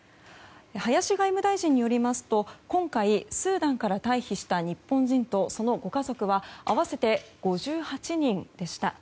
林外務大臣によりますと今回、スーダンから退避した日本人とそのご家族は合わせて５８人でした。